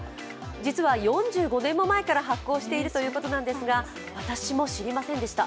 実は４５年も前から発行しているということなんですが私も知りませんでした。